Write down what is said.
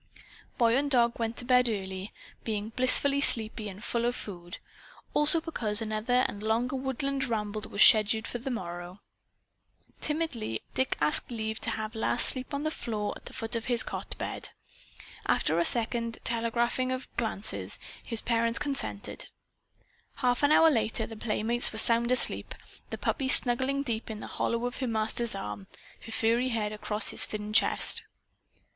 Boy and dog went to bed early, being blissfully sleepy and full of food also because another and longer woodland ramble was scheduled for the morrow. Timidly Dick asked leave to have Lass sleep on the foot of his cot bed. After a second telegraphing of glances, his parents consented. Half an hour later the playmates were sound asleep, the puppy snuggling deep in the hollow of her master's arm, her furry head across his thin chest.